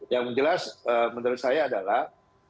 yang jelas menurut saya adalah